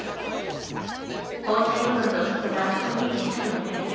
本体部分の筒が直撃したとみられる